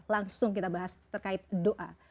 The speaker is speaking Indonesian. langsung kita bahas terkait doa